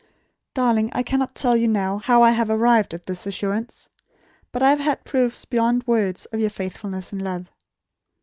Darling, I cannot tell you now, how I have arrived at this assurance. But I have had proofs beyond words of your faithfulness and love."